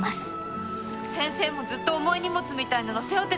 先生もずっと重い荷物みたいなの背負ってたんですよね？